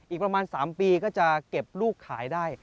อีกประมาณ๓ปีก็จะเก็บลูกขายได้